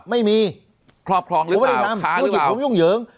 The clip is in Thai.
ไม่มีครอบครองหรือเปล่าค้าหรือเปล่าคุณไม่ได้ลำคุณผู้จิตผมยุ่งเหยิง